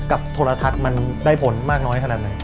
โทรทัศน์มันได้ผลมากน้อยขนาดไหน